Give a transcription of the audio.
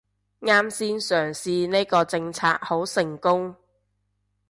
啱先嘗試呢個策略好成功